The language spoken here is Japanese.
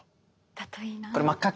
だといいな。